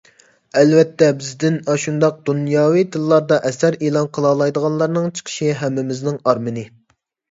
ئەلۋەتتە، بىزدىن ئاشۇنداق دۇنياۋى تىللاردا ئەسەر ئېلان قىلالايدىغانلارنىڭ چىقىشى ھەممىمىزنىڭ ئارمىنى.